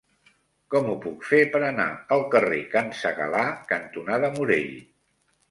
Com ho puc fer per anar al carrer Can Segalar cantonada Morell?